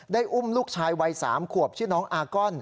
อุ้มลูกชายวัย๓ขวบชื่อน้องอากอน